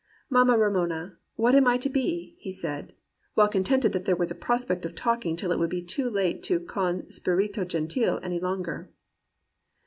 "* Mamma Romola, what am I to be?' he said, well contented that there was a prospect of talk ing till it would be too late to con Spirto gentil any longer.